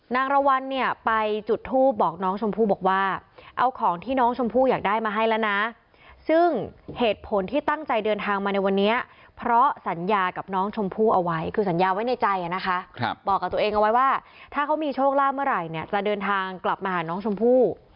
รางวัลเนี่ยไปจุดทูปบอกน้องชมพู่บอกว่าเอาของที่น้องชมพู่อยากได้มาให้แล้วนะซึ่งเหตุผลที่ตั้งใจเดินทางมาในวันนี้เพราะสัญญากับน้องชมพู่เอาไว้คือสัญญาไว้ในใจนะคะบอกกับตัวเองเอาไว้ว่าถ้าเขามีโชคลาภเมื่อไหร่เนี่ยจะเดินทางกลับมาหาน้องชมพู่